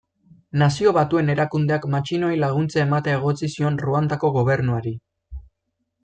Nazio Batuen Erakundeak matxinoei laguntza ematea egotzi zion Ruandako Gobernuari.